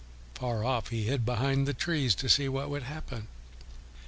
Far off he hid behind the trees to see what would happen.